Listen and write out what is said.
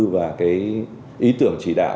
và cái ý tưởng chỉ đạo